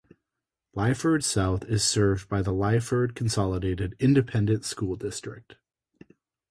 Lyford South is served by the Lyford Consolidated Independent School District.